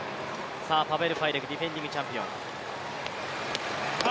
さあパベル・ファイデク、ディフェンディングチャンピオン。